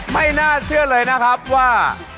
ไม่น่าเชื่อเลยนะครับว่า